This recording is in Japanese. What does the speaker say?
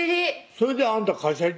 それであんた会社行ってんの？